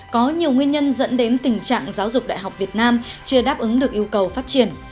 có nhiều nguyên nhân dẫn đến tình trạng giáo dục đại học việt nam chưa đáp ứng được yêu cầu phát triển